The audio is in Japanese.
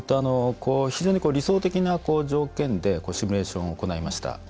非常に理想的な条件でシミュレーションを行いました。